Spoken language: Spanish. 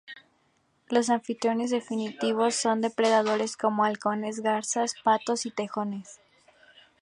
Los anfitriones definitivos son depredadores como halcones, garzas, patos y tejones.